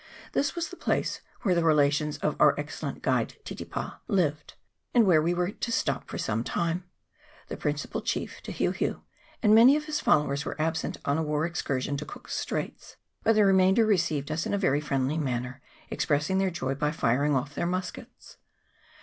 This was the place where the relations of our excellent guide, Titipa, lived, and where we were to stop for some time. The principal chief, Te Heu Heu, and many of his followers, were absent CHAP. XXIV.] LAKE TAUPO. 337 on a war excursion to Cook's Straits, but the re mainder received us in a very friendly manner, ex pressing their joy by firing off their muskets.